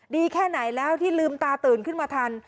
แค่ไหนแล้วที่ลืมตาตื่นขึ้นมาทัน